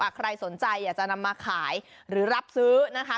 ใครสนใจอยากจะนำมาขายหรือรับซื้อนะคะ